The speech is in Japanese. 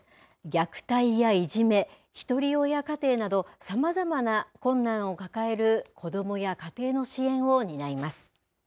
虐待やいじめ、ひとり親家庭など、さまざまな困難を抱える子どもや家庭の支援を担います。